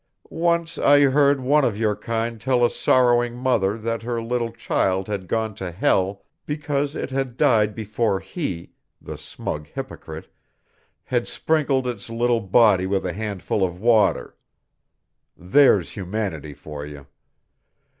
Once I heard one of your kind tell a sorrowing mother that her little child had gone to hell because it had died before he the smug hypocrite had sprinkled its little body with a handful of water. There's humanity for you!